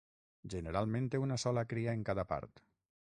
Generalment té una sola cria en cada part.